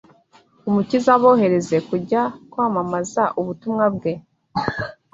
Umukiza abohereze kujya kwamamaza ubutumwa bwe